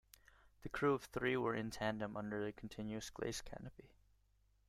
The crew of three were in tandem under a continuous glazed canopy.